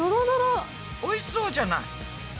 おいしそうじゃない。